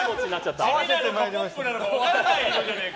地味なのかポップなのか分からないじゃねえか。